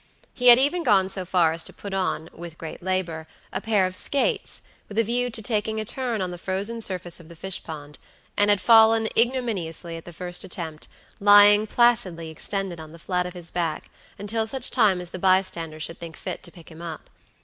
He had even gone so far as to put on, with great labor, a pair of skates, with a view to taking a turn on the frozen surface of the fishpond, and had fallen ignominously at the first attempt, lying placidly extended on the flat of his back until such time as the bystanders should think fit to pick him up.